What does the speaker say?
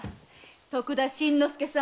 徳田新之助さん。